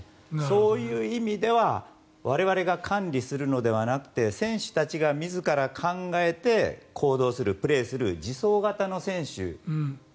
そういう意味では我々が管理するのではなくて選手たちが自ら考えて行動する、プレーする自走型の選手。